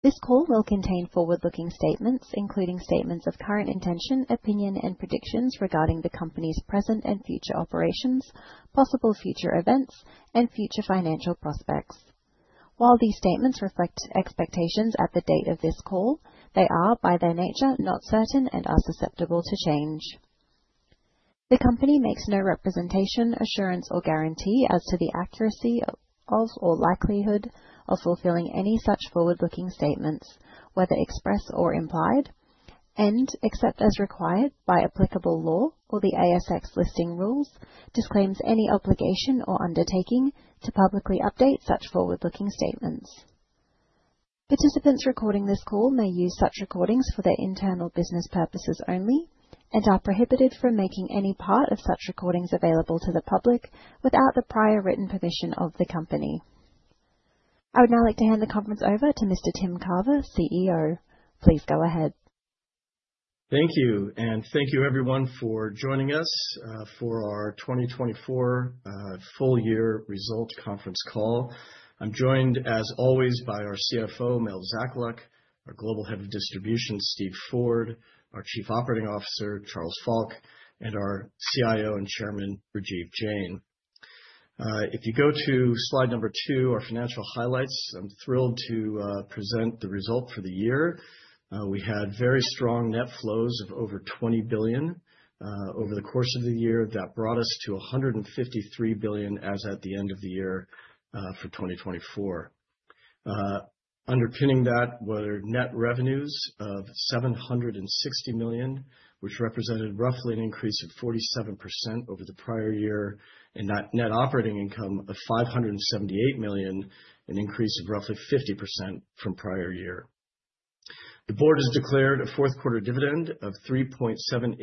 This call will contain forward-looking statements, including statements of current intention, opinion, and predictions regarding the company's present and future operations, possible future events, and future financial prospects. While these statements reflect expectations at the date of this call, they are, by their nature, not certain and are susceptible to change. The company makes no representation, assurance, or guarantee as to the accuracy of or likelihood of fulfilling any such forward-looking statements, whether express or implied, and, except as required by applicable law or the ASX Listing Rules, disclaims any obligation or undertaking to publicly update such forward-looking statements. Participants recording this call may use such recordings for their internal business purposes only and are prohibited from making any part of such recordings available to the public without the prior written permission of the company. I would now like to hand the conference over to Mr. Tim Carver, CEO. Please go ahead. Thank you, and thank you, everyone, for joining us for our 2024 Full-Year Result conference call. I'm joined, as always, by our CFO, Melodie Zakaluk; our Global Head of Distribution, Steve Ford; our Chief Operating Officer, Charles Falck; and our CIO and Chairman, Rajiv Jain. If you go to slide number two, our financial highlights, I'm thrilled to present the result for the year. We had very strong net flows of over $20 billion over the course of the year that brought us to $153 billion as at the end of the year for 2024. Underpinning that were net revenues of $760 million, which represented roughly an increase of 47% over the prior year, and net operating income of $578 million, an increase of roughly 50% from prior year. The board has declared a fourth-quarter dividend of $3.78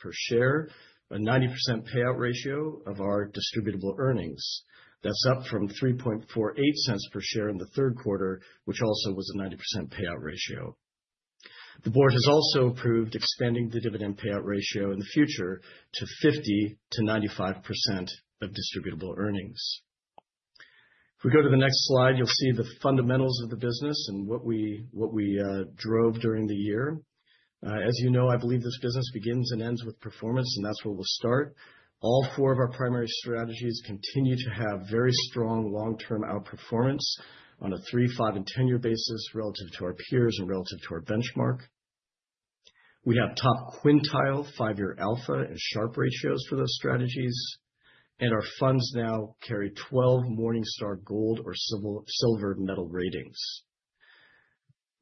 per share, a 90% payout ratio of our distributable earnings. That's up from $3.48 per share in the third quarter, which also was a 90% payout ratio. The board has also approved expanding the dividend payout ratio in the future to 50%-95% of distributable earnings. If we go to the next slide, you'll see the fundamentals of the business and what we drove during the year. As you know, I believe this business begins and ends with performance, and that's where we'll start. All four of our primary strategies continue to have very strong long-term outperformance on a three, five, and ten-year basis relative to our peers and relative to our benchmark. We have top quintile, five-year alpha, and Sharpe ratios for those strategies, and our funds now carry 12 Morningstar Gold or Silver medal ratings.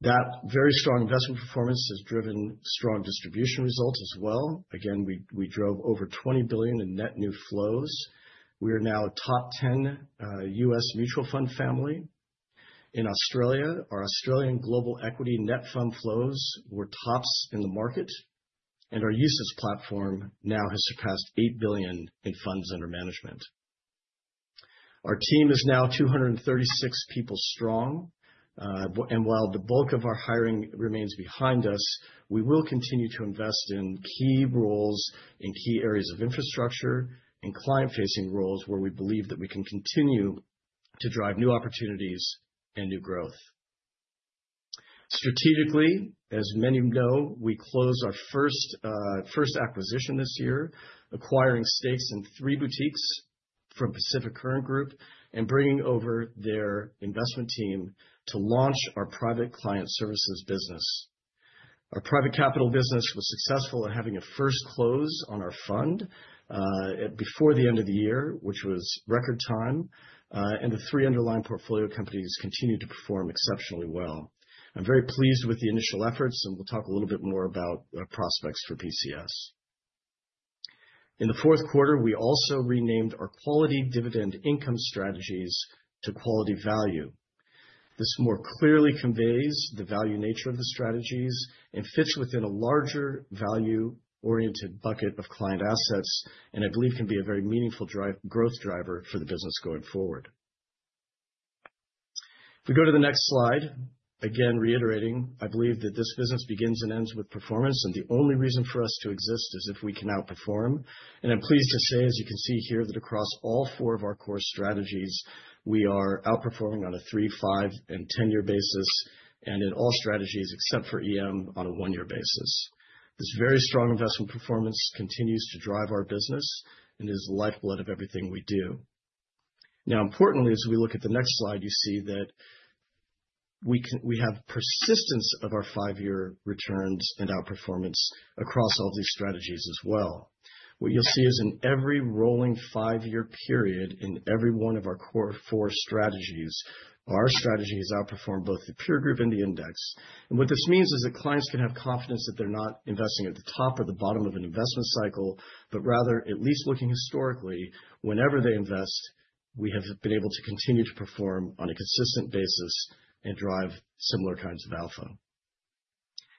That very strong investment performance has driven strong distribution results as well. Again, we drove over $20 billion in net new flows. We are now a top 10 U.S. mutual fund family. In Australia, our Australian global equity net FUM flows were tops in the market, and our U.S. platform now has surpassed $8 billion in funds under management. Our team is now 236 people strong, and while the bulk of our hiring remains behind us, we will continue to invest in key roles and key areas of infrastructure and client-facing roles where we believe that we can continue to drive new opportunities and new growth. Strategically, as many know, we closed our first acquisition this year, acquiring stakes in three boutiques from Pacific Current Group and bringing over their investment team to launch our Private Capital Solutions business. Our Private Capital Solutions business was successful at having a first close on our fund before the end of the year, which was record time, and the three underlying portfolio companies continued to perform exceptionally well. I'm very pleased with the initial efforts, and we'll talk a little bit more about prospects for PCS. In the fourth quarter, we also renamed our Quality Dividend Income strategies to Quality Value. This more clearly conveys the value nature of the strategies and fits within a larger value-oriented bucket of client assets, and I believe can be a very meaningful growth driver for the business going forward. If we go to the next slide, again reiterating, I believe that this business begins and ends with performance, and the only reason for us to exist is if we can outperform. I'm pleased to say, as you can see here, that across all four of our core strategies, we are outperforming on a three, five, and 10-year basis, and in all strategies except for EM on a one-year basis. This very strong investment performance continues to drive our business and is the lifeblood of everything we do. Now, importantly, as we look at the next slide, you see that we have persistence of our five-year returns and outperformance across all these strategies as well. What you'll see is in every rolling five-year period, in every one of our core four strategies, our strategy has outperformed both the peer group and the index. What this means is that clients can have confidence that they're not investing at the top or the bottom of an investment cycle, but rather, at least looking historically, whenever they invest, we have been able to continue to perform on a consistent basis and drive similar kinds of alpha.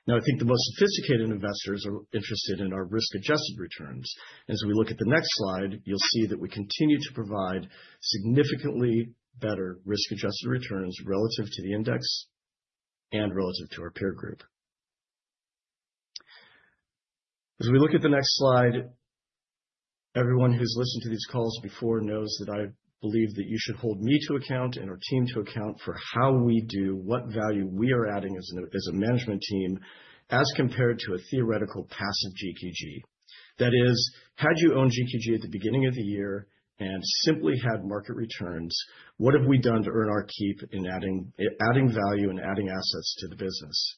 Now, I think the most sophisticated investors are interested in our risk-adjusted returns. As we look at the next slide, you'll see that we continue to provide significantly better risk-adjusted returns relative to the index and relative to our peer group. As we look at the next slide, everyone who's listened to these calls before knows that I believe that you should hold me to account and our team to account for how we do, what value we are adding as a management team as compared to a theoretical passive GQG. That is, had you owned GQG at the beginning of the year and simply had market returns, what have we done to earn our keep in adding value and adding assets to the business?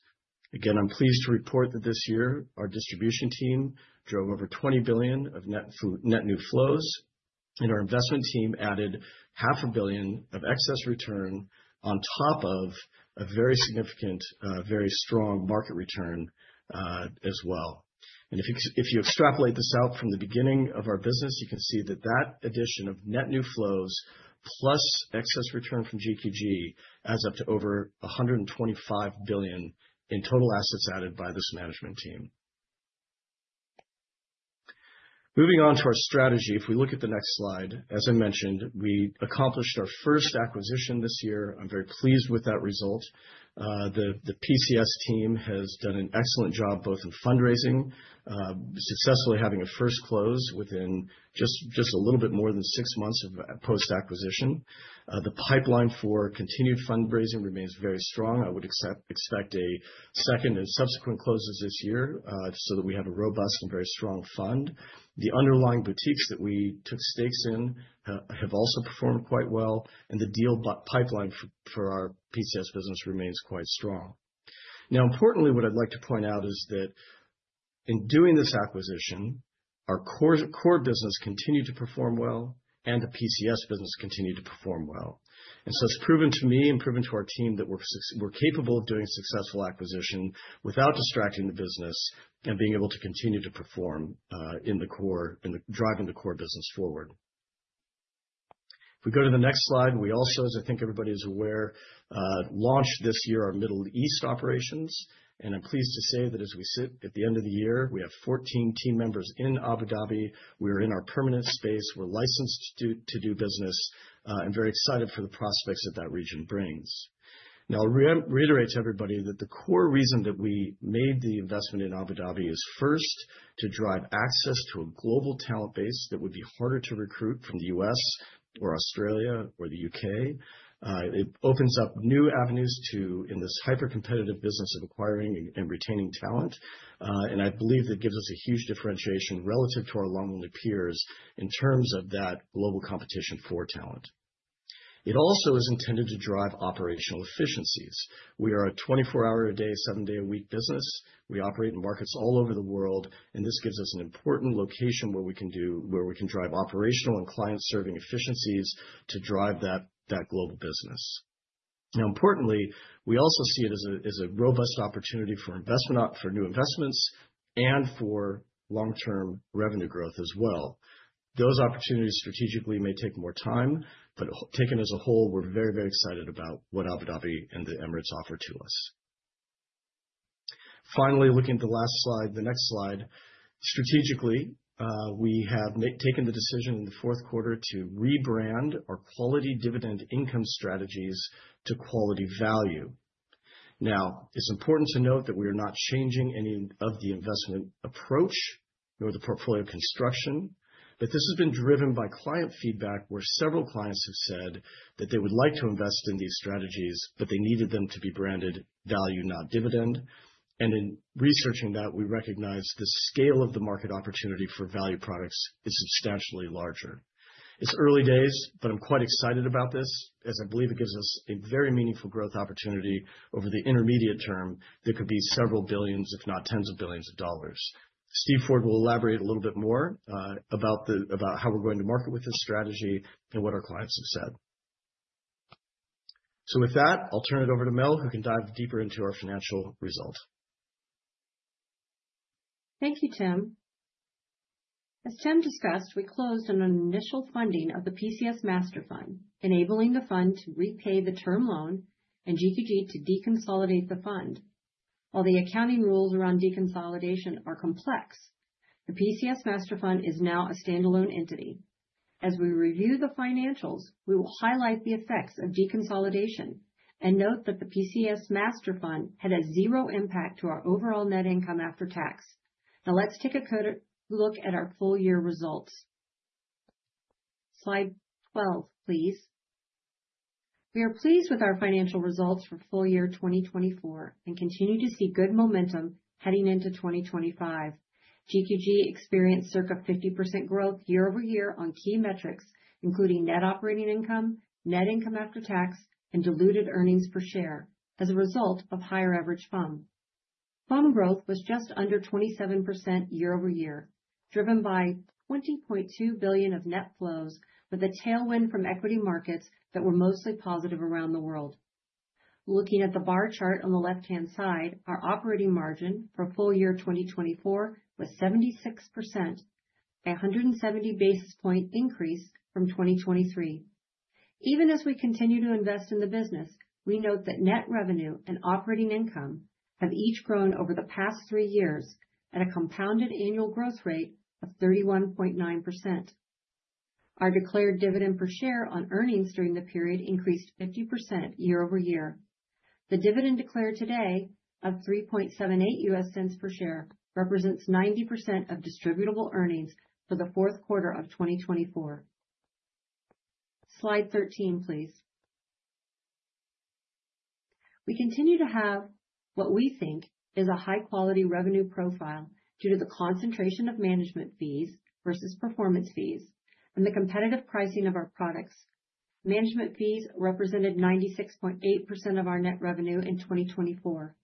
Again, I'm pleased to report that this year our distribution team drove over $20 billion of net new flows, and our investment team added $500 million of excess return on top of a very significant, very strong market return as well. And if you extrapolate this out from the beginning of our business, you can see that that addition of net new flows plus excess return from GQG adds up to over $125 billion in total assets added by this management team. Moving on to our strategy, if we look at the next slide, as I mentioned, we accomplished our first acquisition this year. I'm very pleased with that result. The PCS team has done an excellent job both in fundraising, successfully having a first close within just a little bit more than six months of post-acquisition. The pipeline for continued fundraising remains very strong. I would expect a second and subsequent close this year so that we have a robust and very strong fund. The underlying boutiques that we took stakes in have also performed quite well, and the deal pipeline for our PCS business remains quite strong. Now, importantly, what I'd like to point out is that in doing this acquisition, our core business continued to perform well, and the PCS business continued to perform well, and so it's proven to me and proven to our team that we're capable of doing a successful acquisition without distracting the business and being able to continue to perform in the core and driving the core business forward. If we go to the next slide, we also, as I think everybody is aware, launched this year our Middle East operations, and I'm pleased to say that as we sit at the end of the year, we have 14 team members in Abu Dhabi. We are in our permanent space. We're licensed to do business. I'm very excited for the prospects that that region brings. Now, I'll reiterate to everybody that the core reason that we made the investment in Abu Dhabi is first to drive access to a global talent base that would be harder to recruit from the U.S. or Australia or the U.K. It opens up new avenues in this hyper-competitive business of acquiring and retaining talent, and I believe that gives us a huge differentiation relative to our long-running peers in terms of that global competition for talent. It also is intended to drive operational efficiencies. We are a 24-hour-a-day, seven-day-a-week business. We operate in markets all over the world, and this gives us an important location where we can drive operational and client-serving efficiencies to drive that global business. Now, importantly, we also see it as a robust opportunity for new investments and for long-term revenue growth as well. Those opportunities strategically may take more time, but taken as a whole, we're very, very excited about what Abu Dhabi and the Emirates offer to us. Finally, looking at the last slide, the next slide, strategically, we have taken the decision in the fourth quarter to rebrand our Quality Dividend Income strategies to Quality Value. Now, it's important to note that we are not changing any of the investment approach or the portfolio construction, but this has been driven by client feedback where several clients have said that they would like to invest in these strategies, but they needed them to be branded value, not dividend. And in researching that, we recognize the scale of the market opportunity for value products is substantially larger. It's early days, but I'm quite excited about this as I believe it gives us a very meaningful growth opportunity over the intermediate term that could be $several billion, if not tens of billions. Steve Ford will elaborate a little bit more about how we're going to market with this strategy and what our clients have said. So with that, I'll turn it over to Mel, who can dive deeper into our financial result. Thank you, Tim. As Tim discussed, we closed on an initial funding of the PCS Master Fund, enabling the fund to repay the term loan and GQG to deconsolidate the fund. While the accounting rules around deconsolidation are complex, the PCS Master Fund is now a standalone entity. As we review the financials, we will highlight the effects of deconsolidation and note that the PCS Master Fund had a zero impact to our overall net income after tax. Now, let's take a look at our full-year results. Slide 12, please. We are pleased with our financial results for full year 2024 and continue to see good momentum heading into 2025. GQG experienced circa 50% growth year-over-year on key metrics, including net operating income, net income after tax, and diluted earnings per share as a result of higher average FUM. FUM growth was just under 27% year-over-year, driven by $20.2 billion of net flows with a tailwind from equity markets that were mostly positive around the world. Looking at the bar chart on the left-hand side, our operating margin for full year 2024 was 76%, a 170 basis points increase from 2023. Even as we continue to invest in the business, we note that net revenue and operating income have each grown over the past three years at a compounded annual growth rate of 31.9%. Our declared dividend per share on earnings during the period increased 50% year-over-year. The dividend declared today of $3.78 per share represents 90% of distributable earnings for the fourth quarter of 2024. Slide 13, please. We continue to have what we think is a high-quality revenue profile due to the concentration of management fees versus performance fees and the competitive pricing of our products. Management fees represented 96.8% of our net revenue in 2024.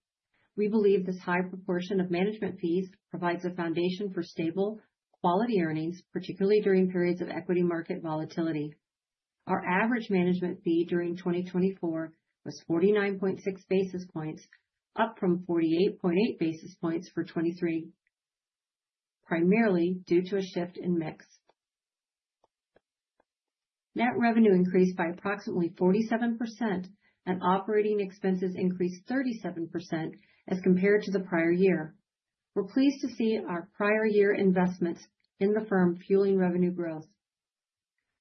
We believe this high proportion of management fees provides a foundation for stable quality earnings, particularly during periods of equity market volatility. Our average management fee during 2024 was 49.6 basis points, up from 48.8 basis points for 2023, primarily due to a shift in mix. Net revenue increased by approximately 47%, and operating expenses increased 37% as compared to the prior year. We're pleased to see our prior year investments in the firm fueling revenue growth.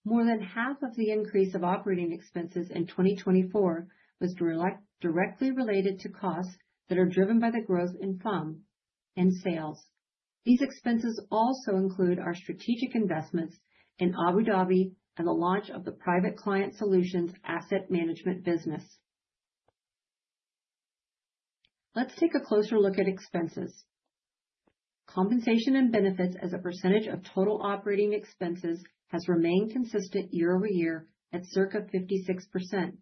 More than half of the increase of operating expenses in 2024 was directly related to costs that are driven by the growth in FUM and sales. These expenses also include our strategic investments in Abu Dhabi and the launch of the Private Capital Solutions asset management business. Let's take a closer look at expenses. Compensation and benefits as a percentage of total operating expenses has remained consistent year-over-year at circa 56%.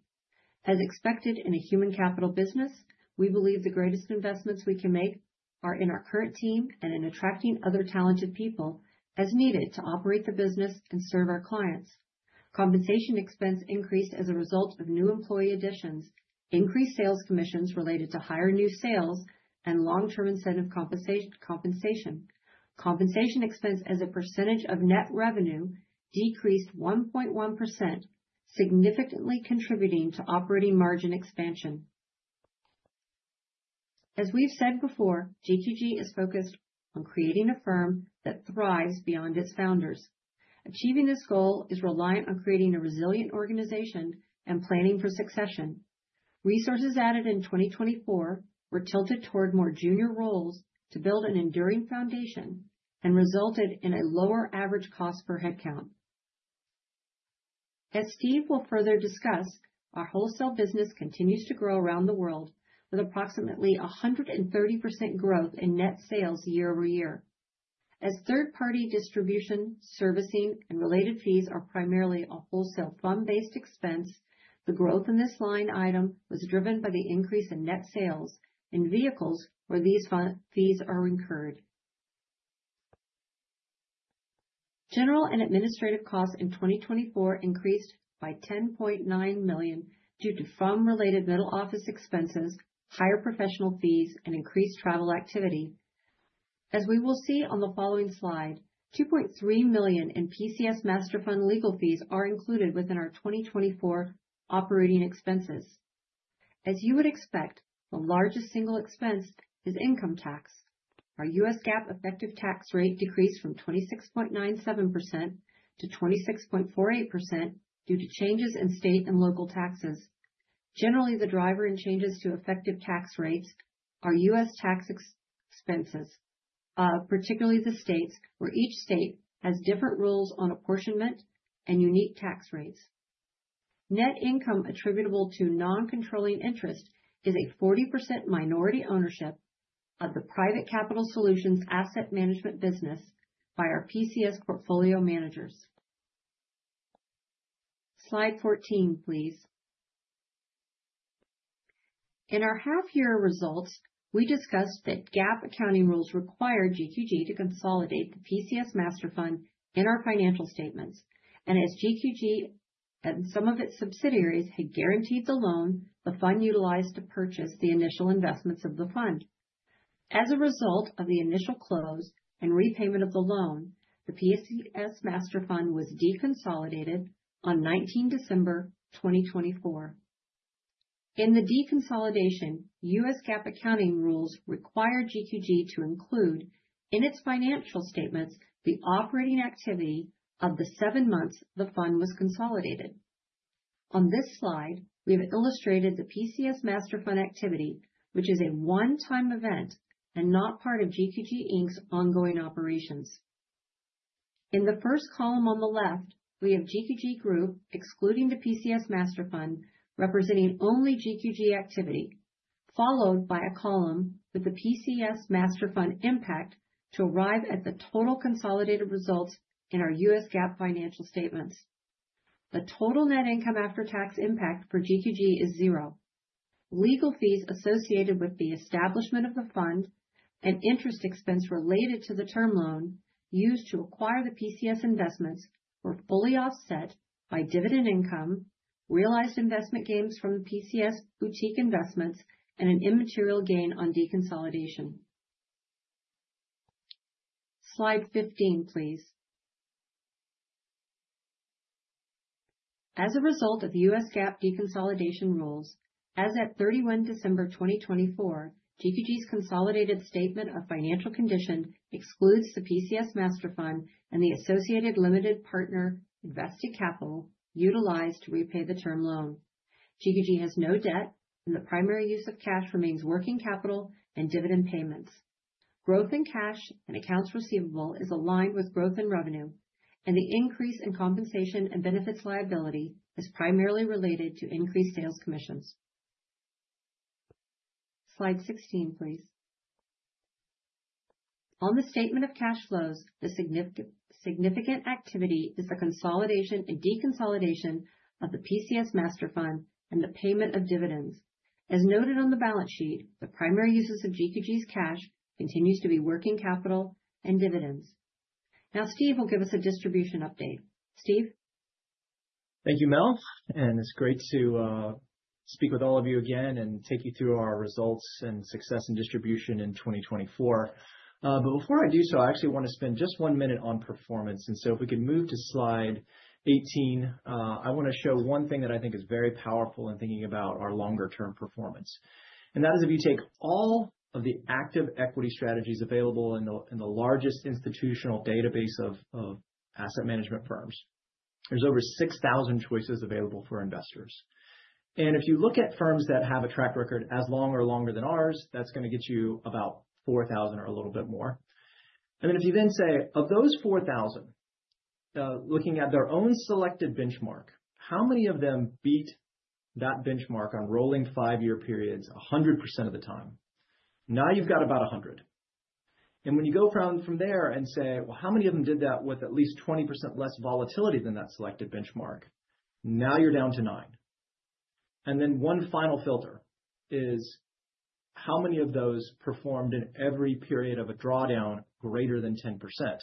As expected in a human capital business, we believe the greatest investments we can make are in our current team and in attracting other talented people as needed to operate the business and serve our clients. Compensation expense increased as a result of new employee additions, increased sales commissions related to higher new sales, and long-term incentive compensation. Compensation expense as a percentage of net revenue decreased 1.1%, significantly contributing to operating margin expansion. As we've said before, GQG is focused on creating a firm that thrives beyond its founders. Achieving this goal is reliant on creating a resilient organization and planning for succession. Resources added in 2024 were tilted toward more junior roles to build an enduring foundation and resulted in a lower average cost per headcount. As Steve will further discuss, our wholesale business continues to grow around the world with approximately 130% growth in net sales year-over-year. As third-party distribution, servicing, and related fees are primarily a wholesale FUM-based expense, the growth in this line item was driven by the increase in net sales in vehicles where these fees are incurred. General and administrative costs in 2024 increased by $10.9 million due to FUM-related middle office expenses, higher professional fees, and increased travel activity. As we will see on the following slide, $2.3 million in PCS Master Fund legal fees are included within our 2024 operating expenses. As you would expect, the largest single expense is income tax. Our U.S. GAAP effective tax rate decreased from 26.97%-26.48% due to changes in state and local taxes. Generally, the driver in changes to effective tax rates are U.S. tax expenses, particularly the states where each state has different rules on apportionment and unique tax rates. Net income attributable to non-controlling interest is a 40% minority ownership of the Private Capital Solutions asset management business by our PCS portfolio managers. Slide 14, please. In our half-year results, we discussed that GAAP accounting rules require GQG to consolidate the PCS Master Fund in our financial statements, and as GQG and some of its subsidiaries had guaranteed the loan, the fund utilized to purchase the initial investments of the fund. As a result of the initial close and repayment of the loan, the PCS Master Fund was deconsolidated on 19 December 2024. In the deconsolidation, U.S. GAAP accounting rules require GQG to include in its financial statements the operating activity of the seven months the fund was consolidated. On this slide, we have illustrated the PCS Master Fund activity, which is a one-time event and not part of GQG Inc.'s ongoing operations. In the first column on the left, we have GQG Group excluding the PCS Master Fund representing only GQG activity, followed by a column with the PCS Master Fund impact to arrive at the total consolidated results in our U.S. GAAP financial statements. The total net income after tax impact for GQG is zero. Legal fees associated with the establishment of the fund and interest expense related to the term loan used to acquire the PCS investments were fully offset by dividend income, realized investment gains from the PCS boutique investments, and an immaterial gain on deconsolidation. Slide 15, please. As a result of U.S. GAAP deconsolidation rules, as of 31 December 2024, GQG's consolidated statement of financial condition excludes the PCS Master Fund and the associated limited partner invested capital utilized to repay the term loan. GQG has no debt, and the primary use of cash remains working capital and dividend payments. Growth in cash and accounts receivable is aligned with growth in revenue, and the increase in compensation and benefits liability is primarily related to increased sales commissions. Slide 16, please. On the statement of cash flows, the significant activity is the consolidation and deconsolidation of the PCS Master Fund and the payment of dividends. As noted on the balance sheet, the primary uses of GQG's cash continues to be working capital and dividends. Now, Steve will give us a distribution update. Steve? Thank you, Mel. And it's great to speak with all of you again and take you through our results and success in distribution in 2024. But before I do so, I actually want to spend just one minute on performance. And so if we could move to slide 18, I want to show one thing that I think is very powerful in thinking about our longer-term performance. And that is if you take all of the active equity strategies available in the largest institutional database of asset management firms, there's over 6,000 choices available for investors. And if you look at firms that have a track record as long or longer than ours, that's going to get you about 4,000 or a little bit more. And then if you then say, of those 4,000, looking at their own selected benchmark, how many of them beat that benchmark on rolling five-year periods 100% of the time? Now you've got about 100. And when you go from there and say, well, how many of them did that with at least 20% less volatility than that selected benchmark? Now you're down to nine. And then one final filter is how many of those performed in every period of a drawdown greater than 10%? And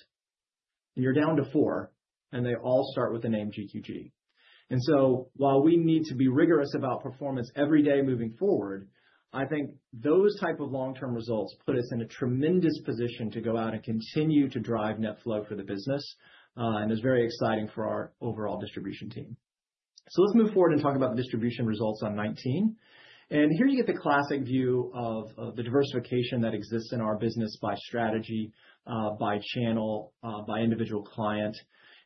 you're down to four, and they all start with the name GQG. And so while we need to be rigorous about performance every day moving forward, I think those types of long-term results put us in a tremendous position to go out and continue to drive net flow for the business. And it's very exciting for our overall distribution team. So let's move forward and talk about the distribution results on 19. And here you get the classic view of the diversification that exists in our business by strategy, by channel, by individual client.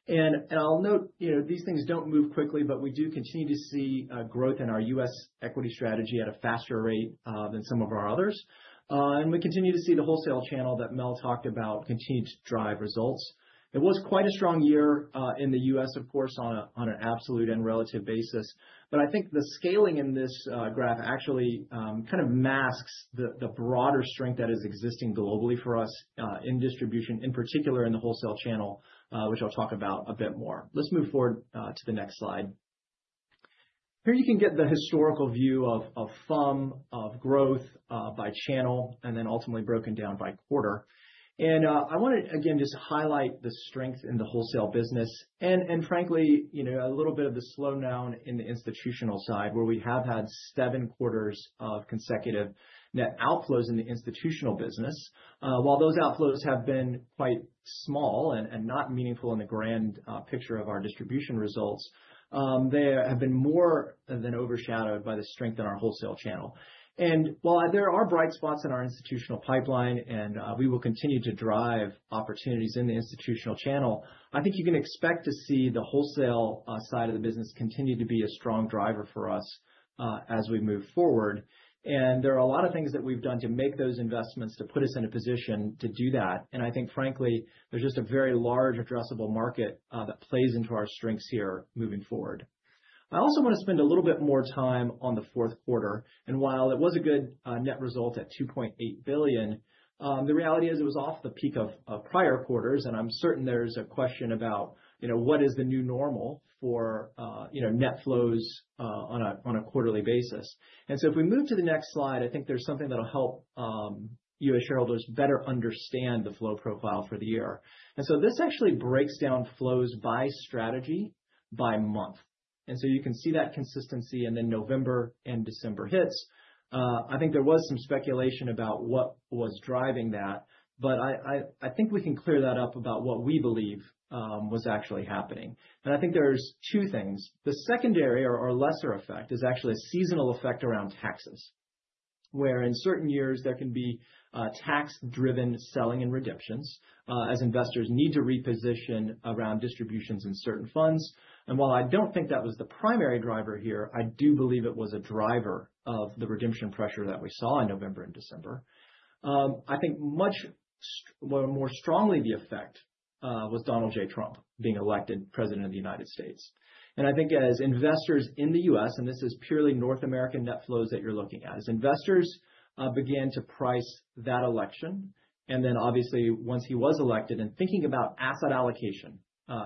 And I'll note, you know, these things don't move quickly, but we do continue to see growth in our U.S. Equity Strategy at a faster rate than some of our others. And we continue to see the wholesale channel that Mel talked about continue to drive results. It was quite a strong year in the U.S., of course, on an absolute and relative basis. But I think the scaling in this graph actually kind of masks the broader strength that is existing globally for us in distribution, in particular in the wholesale channel, which I'll talk about a bit more. Let's move forward to the next slide. Here you can get the historical view of FUM, of growth by channel, and then ultimately broken down by quarter, and I want to, again, just highlight the strength in the wholesale business, and frankly, you know, a little bit of the slowdown in the institutional side where we have had seven quarters of consecutive net outflows in the institutional business. While those outflows have been quite small and not meaningful in the grand picture of our distribution results, they have been more than overshadowed by the strength in our wholesale channel, and while there are bright spots in our institutional pipeline and we will continue to drive opportunities in the institutional channel, I think you can expect to see the wholesale side of the business continue to be a strong driver for us as we move forward. There are a lot of things that we've done to make those investments to put us in a position to do that. I think, frankly, there's just a very large addressable market that plays into our strengths here moving forward. I also want to spend a little bit more time on the fourth quarter. While it was a good net result at $2.8 billion, the reality is it was off the peak of prior quarters. I'm certain there's a question about, you know, what is the new normal for, you know, net flows on a quarterly basis. So if we move to the next slide, I think there's something that'll help U.S. shareholders better understand the flow profile for the year. This actually breaks down flows by strategy by month. You can see that consistency in the November and December hits. I think there was some speculation about what was driving that, but I think we can clear that up about what we believe was actually happening. I think there's two things. The secondary or lesser effect is actually a seasonal effect around taxes, where in certain years there can be tax-driven selling and redemptions as investors need to reposition around distributions in certain funds. While I don't think that was the primary driver here, I do believe it was a driver of the redemption pressure that we saw in November and December. I think much more strongly the effect was Donald J. Trump being elected president of the United States. I think as investors in the U.S., and this is purely North American net flows that you're looking at, as investors began to price that election, and then obviously once he was elected and thinking about asset allocation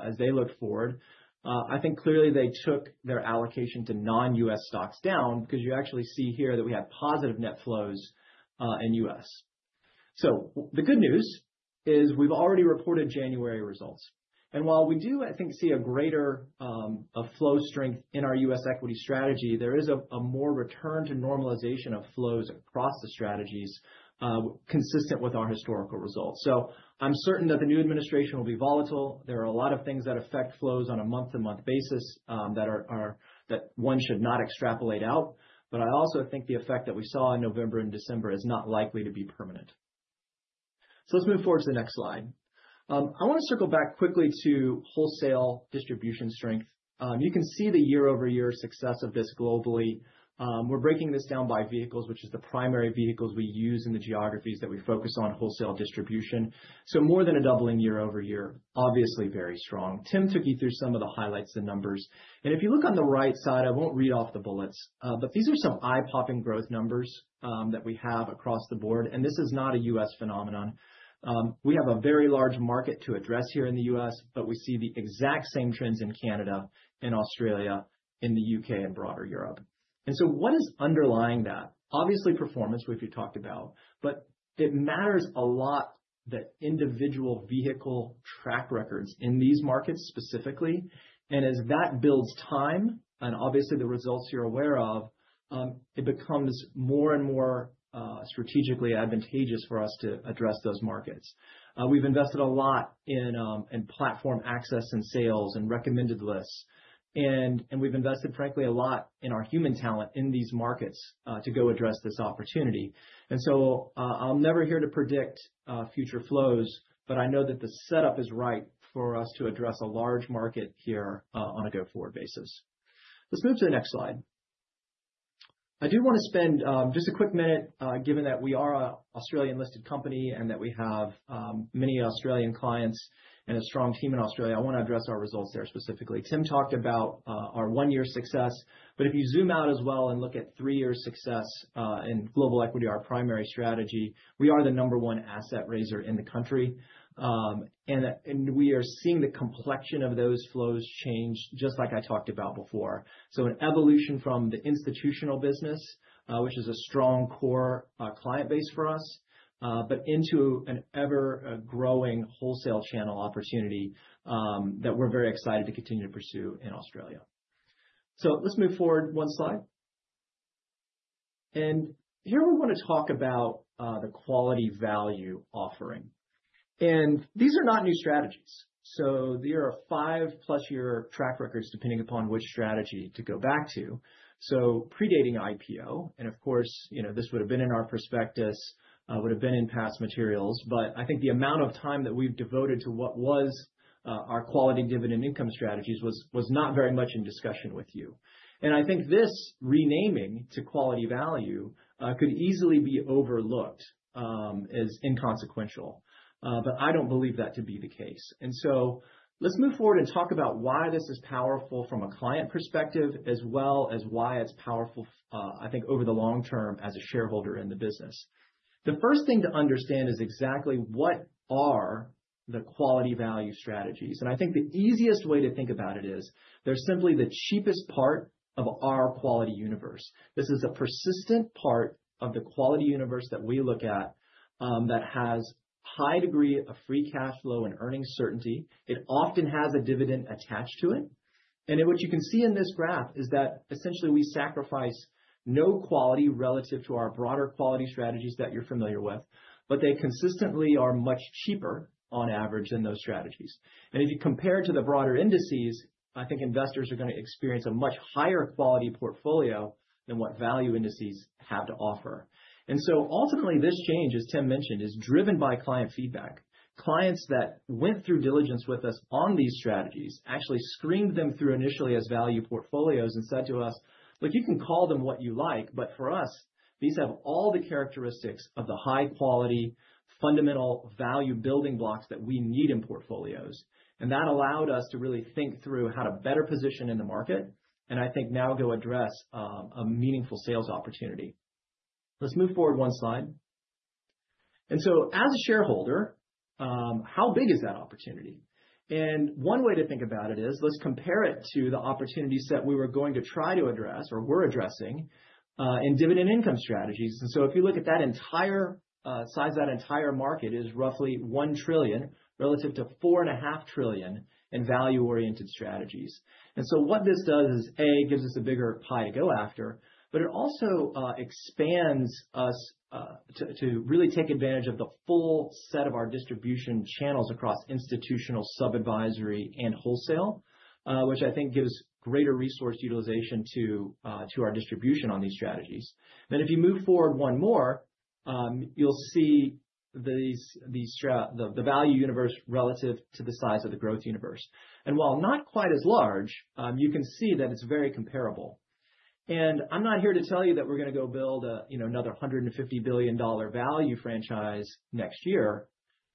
as they looked forward, I think clearly they took their allocation to non-U.S. stocks down because you actually see here that we had positive net flows in U.S. The good news is we've already reported January results. While we do, I think, see a greater flow strength in our U.S. Equity Strategy, there is a more return to normalization of flows across the strategies consistent with our historical results. I'm certain that the new administration will be volatile. There are a lot of things that affect flows on a month-to-month basis that one should not extrapolate out. I also think the effect that we saw in November and December is not likely to be permanent. So let's move forward to the next slide. I want to circle back quickly to wholesale distribution strength. You can see the year-over-year success of this globally. We're breaking this down by vehicles, which is the primary vehicles we use in the geographies that we focus on wholesale distribution. So more than a doubling year-over-year, obviously very strong. Tim took you through some of the highlights, the numbers. And if you look on the right side, I won't read off the bullets, but these are some eye-popping growth numbers that we have across the board. And this is not a U.S. phenomenon. We have a very large market to address here in the U.S., but we see the exact same trends in Canada, in Australia, in the U.K., and broader Europe. And so what is underlying that? Obviously, performance, which we've talked about, but it matters a lot that individual vehicle track records in these markets specifically. And as that builds time, and obviously the results you're aware of, it becomes more and more strategically advantageous for us to address those markets. We've invested a lot in platform access and sales and recommended lists. And we've invested, frankly, a lot in our human talent in these markets to go address this opportunity. And so I'm never here to predict future flows, but I know that the setup is right for us to address a large market here on a go-forward basis. Let's move to the next slide. I do want to spend just a quick minute, given that we are an Australian-listed company and that we have many Australian clients and a strong team in Australia. I want to address our results there specifically. Tim talked about our one-year success, but if you zoom out as well and look at three-year success in global equity, our primary strategy, we are the number one asset raiser in the country. And we are seeing the complexion of those flows change, just like I talked about before. So an evolution from the institutional business, which is a strong core client base for us, but into an ever-growing wholesale channel opportunity that we're very excited to continue to pursue in Australia. So let's move forward one slide. And here we want to talk about the quality value offering. And these are not new strategies. So there are five-plus-year track records depending upon which strategy to go back to. Predating IPO, and of course, you know, this would have been in our prospectus, would have been in past materials, but I think the amount of time that we've devoted to what was our Quality Dividend Income strategies was not very much in discussion with you. And I think this renaming to Quality Value could easily be overlooked as inconsequential, but I don't believe that to be the case. And so let's move forward and talk about why this is powerful from a client perspective, as well as why it's powerful, I think, over the long term as a shareholder in the business. The first thing to understand is exactly what are the Quality Value strategies. And I think the easiest way to think about it is they're simply the cheapest part of our quality universe. This is a persistent part of the quality universe that we look at that has a high degree of free cash flow and earnings certainty. It often has a dividend attached to it, and what you can see in this graph is that essentially we sacrifice no quality relative to our broader quality strategies that you're familiar with, but they consistently are much cheaper on average than those strategies, and if you compare it to the broader indices, I think investors are going to experience a much higher quality portfolio than what value indices have to offer, and so ultimately, this change, as Tim mentioned, is driven by client feedback. Clients that went through diligence with us on these strategies actually screened them through initially as value portfolios and said to us, "Look, you can call them what you like, but for us, these have all the characteristics of the high-quality fundamental value building blocks that we need in portfolios." And that allowed us to really think through how to better position in the market and I think now go address a meaningful sales opportunity. Let's move forward one slide. And so as a shareholder, how big is that opportunity? And one way to think about it is let's compare it to the opportunities that we were going to try to address or we're addressing in dividend income strategies. And so if you look at that entire size, that entire market is roughly $1 trillion relative to $4.5 trillion in value-oriented strategies. And so what this does is, A, gives us a bigger pie to go after, but it also expands us to really take advantage of the full set of our distribution channels across institutional sub-advisory and wholesale, which I think gives greater resource utilization to our distribution on these strategies. Then if you move forward one more, you'll see the value universe relative to the size of the growth universe. And while not quite as large, you can see that it's very comparable. And I'm not here to tell you that we're going to go build another $150 billion value franchise next year.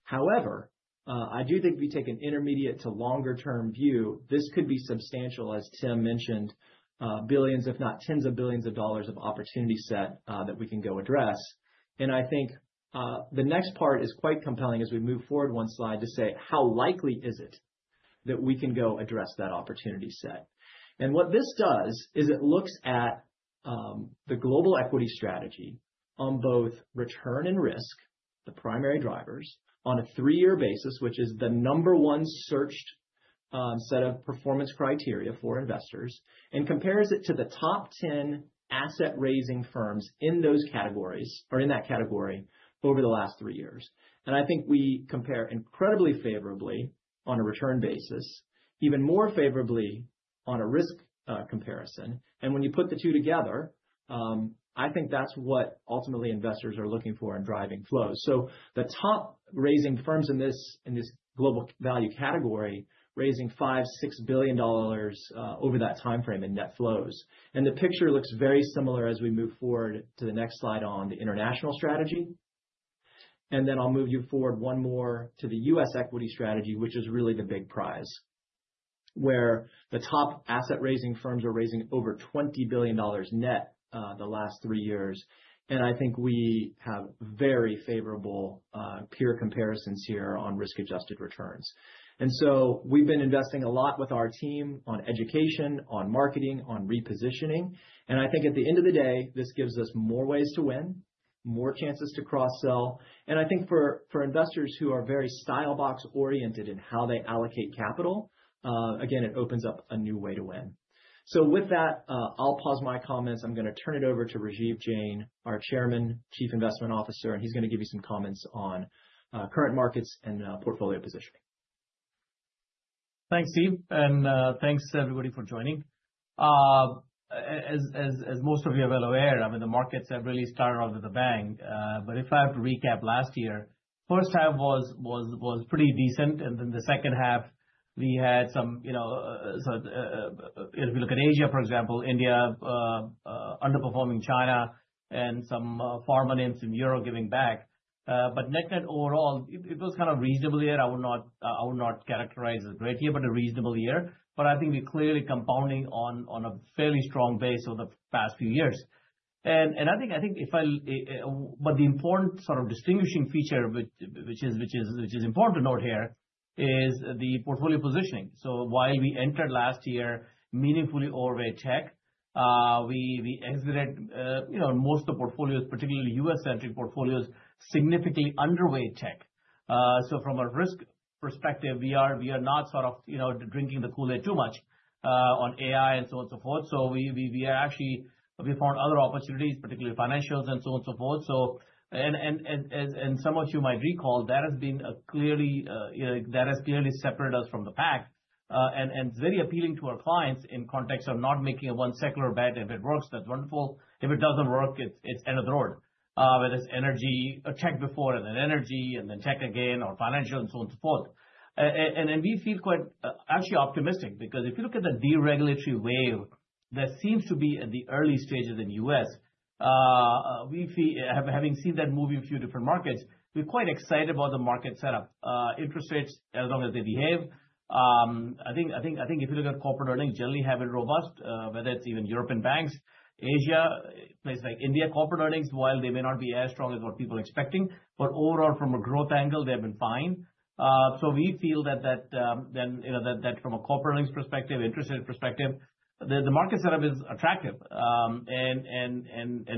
However, I do think if you take an intermediate to longer-term view, this could be substantial, as Tim mentioned, billions, if not tens of billions of dollars of opportunity set that we can go address. I think the next part is quite compelling as we move forward one slide to say, how likely is it that we can go address that opportunity set? And what this does is it looks at the Global Equity Strategy on both return and risk, the primary drivers on a three-year basis, which is the number one searched set of performance criteria for investors, and compares it to the top 10 asset-raising firms in those categories or in that category over the last three years. And I think we compare incredibly favorably on a return basis, even more favorably on a risk comparison. And when you put the two together, I think that's what ultimately investors are looking for in driving flows. So the top raising firms in this global value category raising $5-$6 billion over that timeframe in net flows. And the picture looks very similar as we move forward to the next slide on the International Strategy. And then I'll move you forward one more to the U.S. Equity Strategy, which is really the big prize, where the top asset-raising firms are raising over $20 billion net the last three years. And I think we have very favorable peer comparisons here on risk-adjusted returns. And so we've been investing a lot with our team on education, on marketing, on repositioning. And I think at the end of the day, this gives us more ways to win, more chances to cross-sell. And I think for investors who are very style box-oriented in how they allocate capital, again, it opens up a new way to win. So with that, I'll pause my comments. I'm going to turn it over to Rajiv Jain, our Chairman, Chief Investment Officer, and he's going to give you some comments on current markets and portfolio positioning. Thanks, Steve, and thanks everybody for joining. As most of you are well aware, I mean, the markets have really started off with a bang, but if I have to recap last year, first half was pretty decent, and then the second half, we had some, you know, so if you look at Asia, for example, India, underperforming China, and some pharma names in Europe giving back, but net-net overall, it was kind of reasonable year. I would not characterize it as a great year, but a reasonable year, but I think we're clearly compounding on a fairly strong base over the past few years. But the important sort of distinguishing feature, which is important to note here, is the portfolio positioning. So while we entered last year meaningfully overweight tech, we exited, you know, most of the portfolios, particularly U.S.-centric portfolios, significantly underweight tech. So from a risk perspective, we are not sort of, you know, drinking the Kool-Aid too much on AI and so on and so forth. So we actually found other opportunities, particularly financials and so on and so forth. So some of you might recall that has clearly, you know, separated us from the pack, and it's very appealing to our clients in context of not making a one-secular bet. If it works, that's wonderful. If it doesn't work, it's end of the road. Whether it's energy, a tech before and then energy, and then tech again, or financial and so on and so forth. We feel quite actually optimistic because if you look at the deregulatory wave that seems to be at the early stages in the U.S., we feel, having seen that moving a few different markets, we're quite excited about the market setup. Interest rates, as long as they behave. I think if you look at corporate earnings, generally have been robust, whether it's even European banks, Asia, places like India, corporate earnings, while they may not be as strong as what people are expecting, but overall from a growth angle, they have been fine. We feel that then, you know, that from a corporate earnings perspective, interest rate perspective, the market setup is attractive.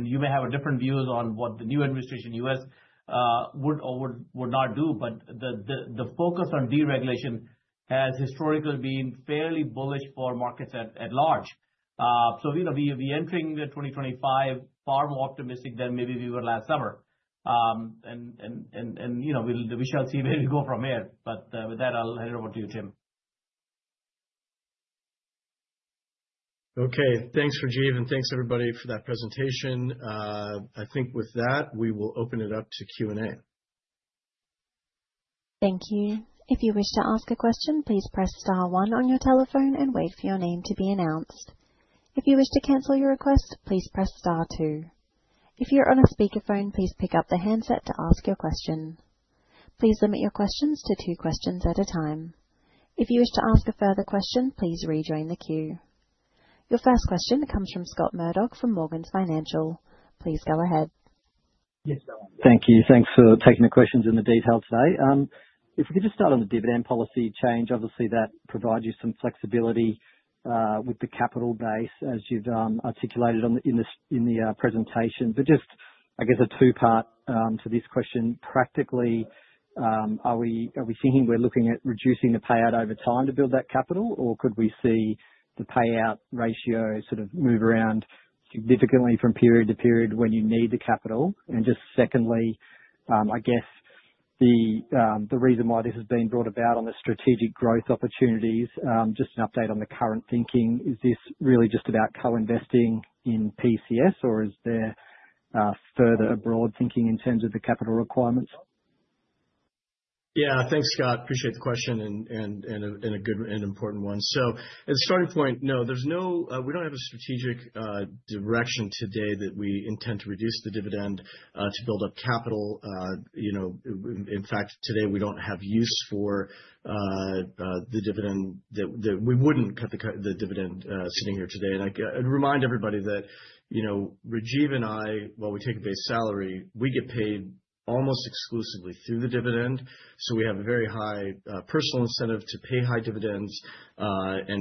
You may have different views on what the new administration in the U.S. would or would not do, but the focus on deregulation has historically been fairly bullish for markets at large. So, you know, we entering 2025, far more optimistic than maybe we were last summer. You know, we shall see where we go from here. With that, I'll hand it over to you, Tim. Okay, thanks, Rajiv, and thanks everybody for that presentation. I think with that, we will open it up to Q&A. Thank you. If you wish to ask a question, please press star one on your telephone and wait for your name to be announced. If you wish to cancel your request, please press star two. If you're on a speakerphone, please pick up the handset to ask your question. Please limit your questions to two questions at a time. If you wish to ask a further question, please rejoin the queue. Your first question comes from Scott Murdoch from Morgans Financial. Please go ahead. Thank you. Thanks for taking the questions in the detail today. If we could just start on the dividend policy change, obviously that provides you some flexibility with the capital base as you've articulated in the, in the presentation. But just, I guess, a two-part to this question. Practically, are we, are we thinking we're looking at reducing the payout over time to build that capital, or could we see the payout ratio sort of move around significantly from period to period when you need the capital? And just secondly, I guess the reason why this has been brought about on the strategic growth opportunities, just an update on the current thinking, is this really just about co-investing in PCS, or is there further abroad thinking in terms of the capital requirements? Yeah, thanks, Scott. Appreciate the question and a good and important one. So as a starting point, no, there's no, we don't have a strategic direction today that we intend to reduce the dividend to build up capital. You know, in fact, today we don't have use for the dividend that we wouldn't cut the dividend sitting here today. And I remind everybody that, you know, Rajiv and I, while we take a base salary, we get paid almost exclusively through the dividend. So we have a very high personal incentive to pay high dividends.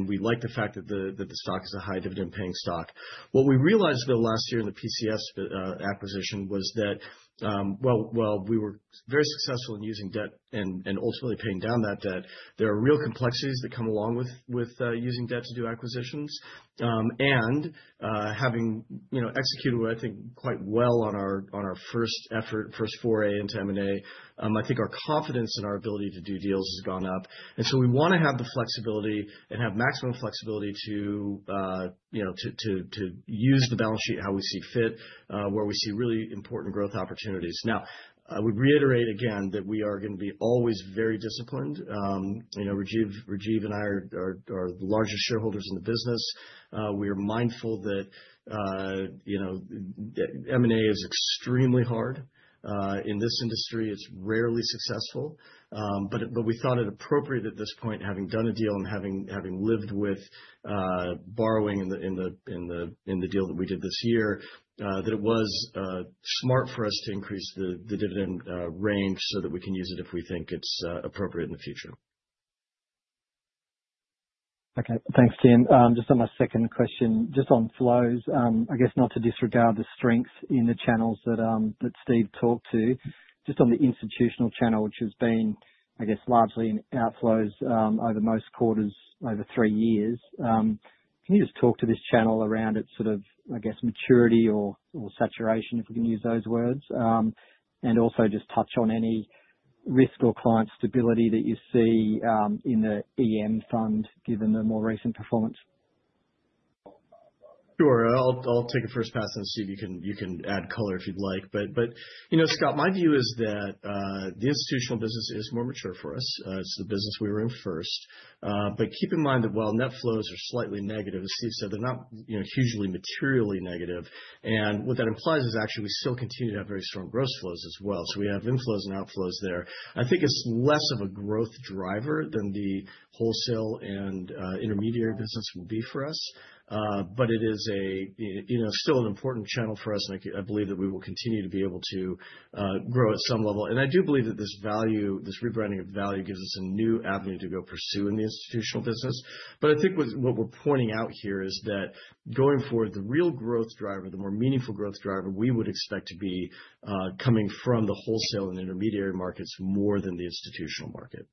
We like the fact that the stock is a high dividend paying stock. What we realized though last year in the PCS acquisition was that, well, while we were very successful in using debt and ultimately paying down that debt, there are real complexities that come along with using debt to do acquisitions. Having, you know, executed, I think, quite well on our first effort, first foray into M&A, I think our confidence in our ability to do deals has gone up. We want to have the flexibility and have maximum flexibility to, you know, to use the balance sheet how we see fit, where we see really important growth opportunities. Now, I would reiterate again that we are going to be always very disciplined. You know, Rajiv and I are the largest shareholders in the business. We are mindful that, you know, M&A is extremely hard in this industry. It's rarely successful. But we thought it appropriate at this point, having done a deal and having lived with borrowing in the deal that we did this year, that it was smart for us to increase the dividend range so that we can use it if we think it's appropriate in the future. Okay, thanks, Tim. Just on my second question, just on flows, I guess not to disregard the strengths in the channels that Steve talked to, just on the institutional channel, which has been, I guess, largely in outflows over most quarters over three years. Can you just talk to this channel around its sort of, I guess, maturity or saturation, if we can use those words, and also just touch on any risk or client stability that you see in the EM fund given the more recent performance? Sure, I'll take a first pass and see if you can add color if you'd like. But, you know, Scott, my view is that the institutional business is more mature for us. It's the business we were in first. But keep in mind that while net flows are slightly negative, as Steve said, they're not, you know, hugely materially negative. And what that implies is actually we still continue to have very strong gross flows as well. So we have inflows and outflows there. I think it's less of a growth driver than the wholesale and intermediary business will be for us. But it is, you know, still an important channel for us. And I believe that we will continue to be able to grow at some level. And I do believe that this value, this rebranding of value gives us a new avenue to go pursue in the institutional business. But I think what we're pointing out here is that going forward, the real growth driver, the more meaningful growth driver we would expect to be coming from the wholesale and intermediary markets more than the institutional market.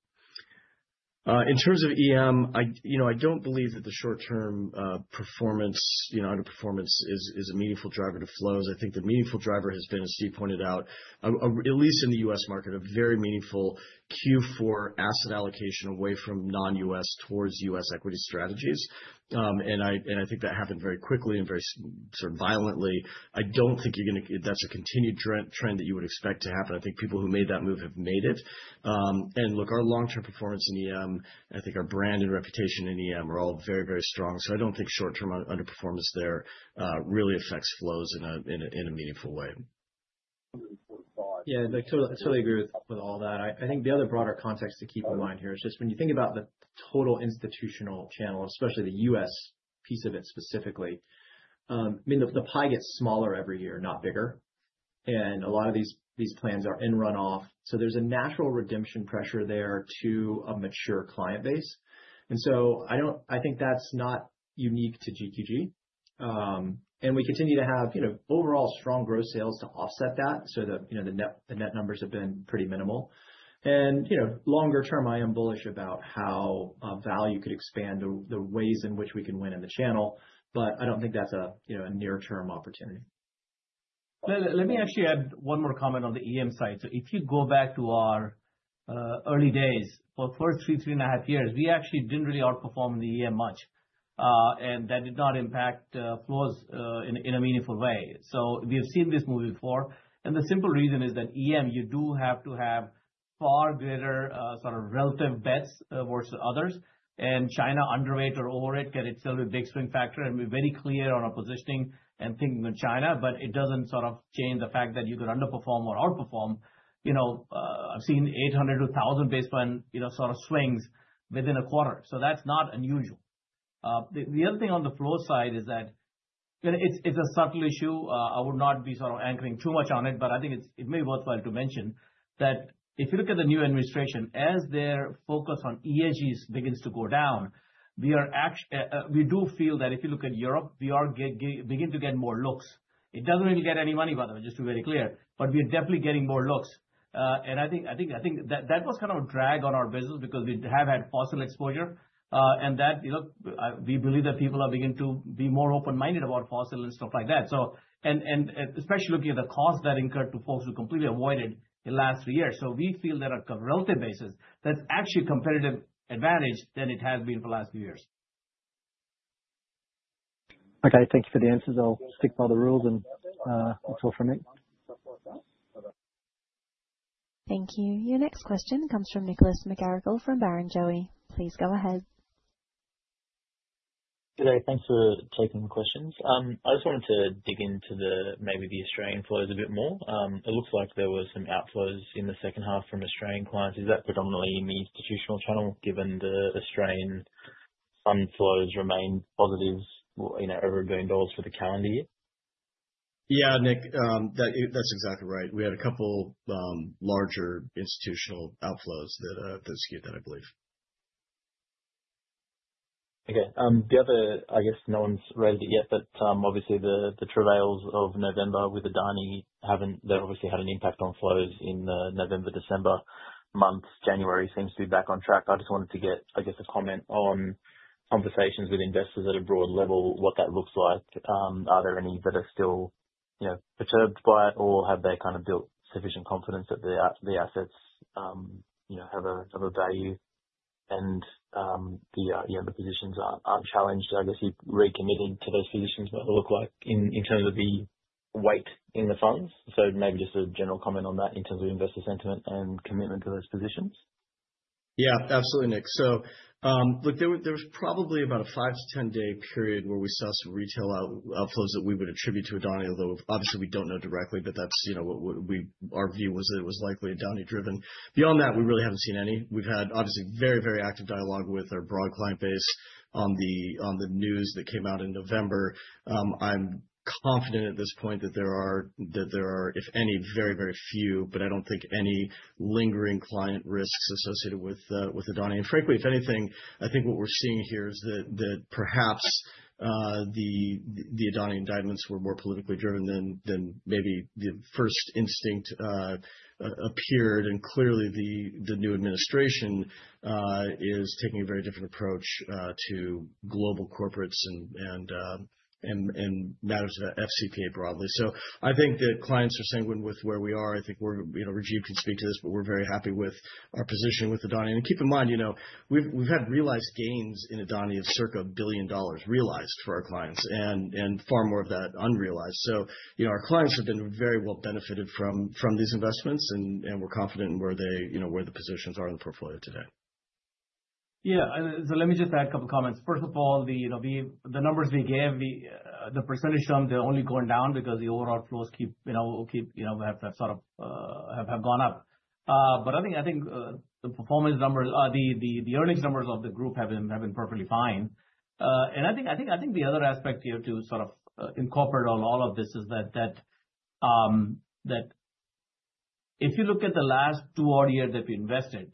In terms of EM, you know, I don't believe that the short-term performance, you know, underperformance is a meaningful driver to flows. I think the meaningful driver has been, as Steve pointed out, at least in the U.S. market, a very meaningful Q4 asset allocation away from non-U.S. towards U.S. equity strategies. I think that happened very quickly and very sort of violently. I don't think you're going to, that's a continued trend that you would expect to happen. I think people who made that move have made it. And look, our long-term performance in EM, I think our brand and reputation in EM are all very, very strong. So I don't think short-term underperformance there really affects flows in a meaningful way. Yeah, I totally agree with all that. I think the other broader context to keep in mind here is just when you think about the total institutional channel, especially the U.S. piece of it specifically, I mean, the pie gets smaller every year, not bigger. And a lot of these plans are in runoff. So there's a natural redemption pressure there to a mature client base. And so I don't, I think that's not unique to GQG. And we continue to have, you know, overall strong gross sales to offset that. So the, you know, the net numbers have been pretty minimal. And, you know, longer term, I am bullish about how value could expand the ways in which we can win in the channel. But I don't think that's a, you know, a near-term opportunity. Let me actually add one more comment on the EM side. So if you go back to our early days, for first three, three and a half years, we actually didn't really outperform the EM much. And that did not impact flows in a meaningful way. So we have seen this move before. And the simple reason is that EM, you do have to have far greater sort of relative bets versus others. China underweight or overweight can itself be a big swing factor and be very clear on our positioning and thinking on China, but it doesn't sort of change the fact that you could underperform or outperform. You know, I've seen 800-1,000 basis points, you know, sort of swings within a quarter. So that's not unusual. The other thing on the flow side is that, you know, it's a subtle issue. I would not be sort of anchoring too much on it, but I think it may be worthwhile to mention that if you look at the new administration, as their focus on ESGs begins to go down, we are actually, we do feel that if you look at Europe, we are beginning to get more looks. It doesn't really get any money, by the way, just to be very clear, but we are definitely getting more looks. I think that was kind of a drag on our business because we have had fossil exposure. And that, you know, we believe that people are beginning to be more open-minded about fossil and stuff like that. So, and especially looking at the cost that incurred to folks who completely avoided in the last three years. So we feel that on a relative basis that's actually a competitive advantage than it has been for the last few years. Okay, thank you for the answers. I'll stick by the rules and look forward for a minute. Thank you. Your next question comes from Nicholas McGarrigle from Barrenjoey. Please go ahead. Good day, thanks for taking the questions. I just wanted to dig into the, maybe the Australian flows a bit more. It looks like there were some outflows in the second half from Australian clients. Is that predominantly in the institutional channel given the Australian fund flows remain positive, you know, over $1 billion for the calendar year? Yeah, Nick, that's exactly right. We had a couple larger institutional outflows that skewed that, I believe. Okay, the other, I guess no one's raised it yet, but obviously the travails of November with the Adani haven't, they've obviously had an impact on flows in the November, December month. January seems to be back on track. I just wanted to get, I guess, a comment on conversations with investors at a broad level, what that looks like. Are there any that are still, you know, perturbed by it or have they kind of built sufficient confidence that the assets, you know, have a value and the, you know, the positions aren't challenged? I guess you're recommitting to those positions that look like in terms of the weight in the funds. So maybe just a general comment on that in terms of investor sentiment and commitment to those positions. Yeah, absolutely, Nick. So look, there was probably about a five-to-ten-day period where we saw some retail outflows that we would attribute to Adani, although obviously we don't know directly, but that's, you know, what we, our view was that it was likely Adani driven. Beyond that, we really haven't seen any. We've had obviously very, very active dialogue with our broad client base on the news that came out in November. I'm confident at this point that there are, if any, very, very few, but I don't think any lingering client risks associated with Adani. Frankly, if anything, I think what we're seeing here is that perhaps the Adani indictments were more politically driven than maybe the first instinct appeared. Clearly the new administration is taking a very different approach to global corporates and matters of FCPA broadly. So I think that clients are sanguine with where we are. I think we're, you know, Rajiv can speak to this, but we're very happy with our position with the Adani. Keep in mind, you know, we've had realized gains in Adani of circa $1 billion realized for our clients and far more of that unrealized. So, you know, our clients have been very well benefited from these investments and we're confident in where they, you know, where the positions are in the portfolio today. Yeah, and so let me just add a couple of comments. First of all, you know, the numbers we gave, the percentage terms, they're only going down because the overall flows keep, you know, have sort of gone up. But I think the performance numbers, the earnings numbers of the group have been perfectly fine. And I think the other aspect here to sort of incorporate on all of this is that if you look at the last two odd years that we invested,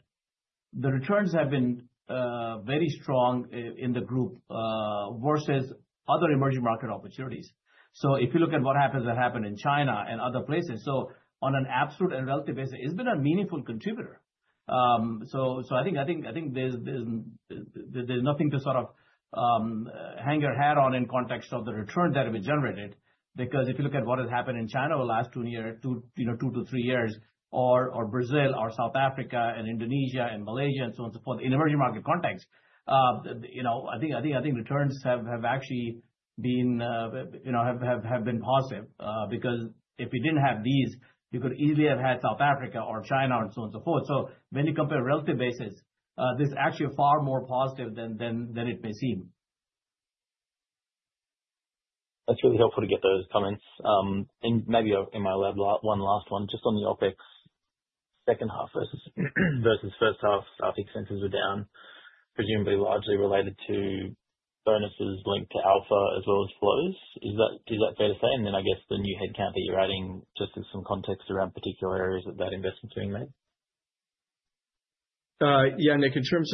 the returns have been very strong in the group versus other emerging market opportunities. So if you look at what happened in China and other places, so on an absolute and relative basis, it's been a meaningful contributor. So I think there's nothing to sort of hang your hat on in context of the return that have been generated because if you look at what has happened in China over the last two years, you know, two to three years, or Brazil or South Africa and Indonesia and Malaysia and so on and so forth, in emerging market context, you know. I think returns have actually been, you know, positive because if we didn't have these, we could easily have had South Africa or China and so on and so forth. When you compare relative basis, this is actually far more positive than it may seem. That's really helpful to get those comments. And maybe one last one just on the OpEx second half versus first half, I think expenses were down, presumably largely related to bonuses linked to alpha as well as flows. Is that fair to say? And then I guess the new headcount that you're adding just in some context around particular areas that that investment's being made. Yeah, Nick, in terms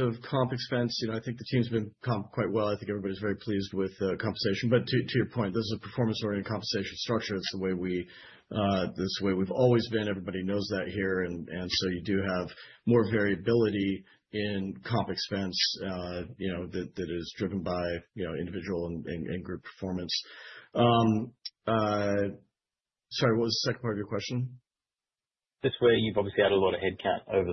of comp expense, you know, I think the team's been compensated quite well. I think everybody's very pleased with the compensation. But to your point, this is a performance-oriented compensation structure. It's the way we, it's the way we've always been. Everybody knows that here. And so you do have more variability in comp expense, you know, that that is driven by, you know, individual and group performance. Sorry, what was the second part of your question? Just where you've obviously had a lot of headcount over